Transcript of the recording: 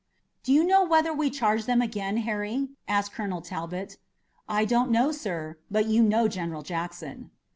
"Do you know whether we charge them again, Harry?" asked Colonel Talbot. "I don't know, sir; but you know General Jackson."